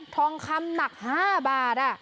ทองคำหนัก๕บาท